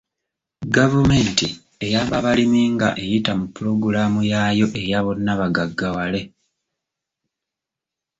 Gavumenti eyamba abalimi nga eyita mu pulogulaamu yaayo eya bonnabagaggawale.